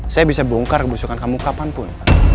saya bisa bongkar kebusukan kamu kapanpun